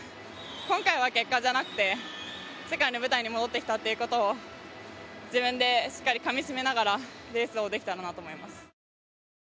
今回は結果じゃなくて世界の舞台に戻ってきたということを自分でしっかりかみ締めながらレースをできたかなと思います。